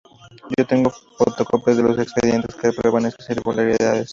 Yo tengo fotocopias de los expedientes que prueban esas irregularidades".